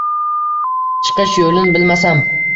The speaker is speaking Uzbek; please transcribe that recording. Chiqish yo‘lin bilmasam.